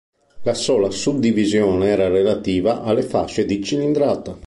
La sola suddivisione era relativa alle fasce di cilindrata.